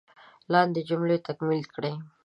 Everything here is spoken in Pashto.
لاندې جملې تکمیل کړئ.